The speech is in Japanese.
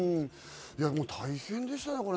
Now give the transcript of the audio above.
大変でしたね。